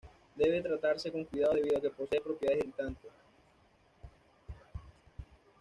Debe tratarse con cuidado debido a que posee propiedades irritantes.